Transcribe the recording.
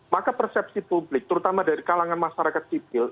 maka persepsi publik terutama dari kalangan masyarakat sipil